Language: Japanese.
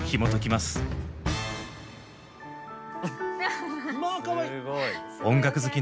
まあかわいい！